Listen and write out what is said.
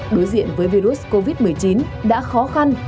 đối diện với virus covid một mươi chín đã khó khăn